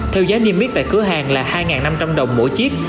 theo giá niêm yết tại cửa hàng là hai năm trăm linh đồng mỗi chiếc